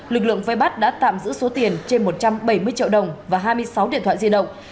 lực lượng vây bắt đã tạm giữ số tiền trên một trăm bảy mươi triệu đồng và hai mươi sáu điện thoại di động